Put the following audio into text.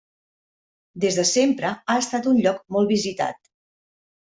Des de sempre ha estat un lloc molt visitat.